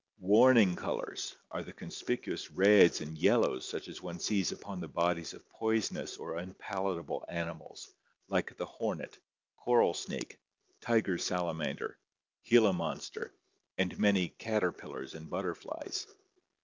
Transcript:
Warning colors are the conspicuous reds and yellows such as one sees upon the bodies of poisonous or unpalatable animals like the hornet, coral snake, tiger salamander, Gila monster, and many caterpillars and butterflies.